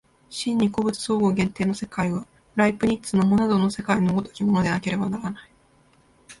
真に個物相互限定の世界は、ライプニッツのモナドの世界の如きものでなければならない。